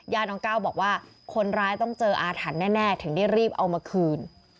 น้องก้าวบอกว่าคนร้ายต้องเจออาถรรพ์แน่ถึงได้รีบเอามาคืน